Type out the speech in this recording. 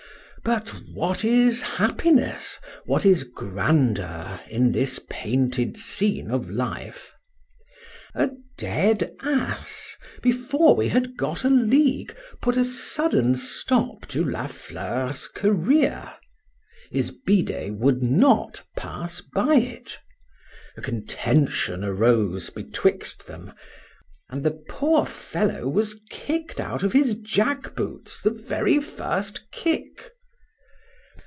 —But what is happiness! what is grandeur in this painted scene of life! A dead ass, before we had got a league, put a sudden stop to La Fleur's career;—his bidet would not pass by it,—a contention arose betwixt them, and the poor fellow was kick'd out of his jack boots the very first kick.